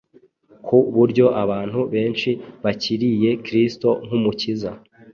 ku buryo abantu benshi bakiriye Kristo nk’Umukiza.